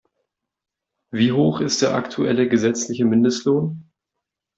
Wie hoch ist der aktuelle gesetzliche Mindestlohn?